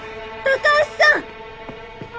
高橋さん！